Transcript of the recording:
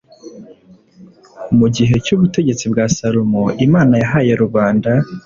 Mu gihe cy ubutegetsi bwa Salomo Imana yahaye rubanda